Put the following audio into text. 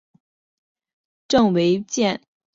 郑维健博士投资有限公司主席兼董事总经理。